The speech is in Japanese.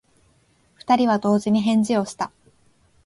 二人は同時に返事をした。